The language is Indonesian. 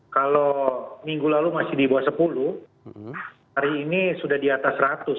kalau minggu lalu masih di bawah sepuluh hari ini sudah di atas seratus